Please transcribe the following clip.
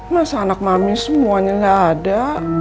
masa anak mami semuanya gak ada